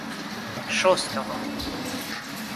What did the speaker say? Шостого